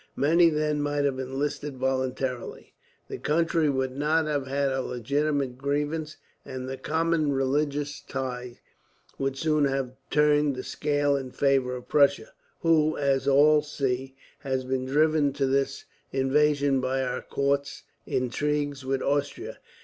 Many then might have enlisted voluntarily. The country would not have had a legitimate grievance, and the common religious tie would soon have turned the scale in favour of Prussia; who, as all see, has been driven to this invasion by our court's intrigues with Austria.